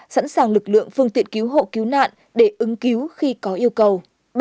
sẵn sàng lực lượng phương tiện cứu hộ cứu nạn để ứng cứu khi có yêu cầu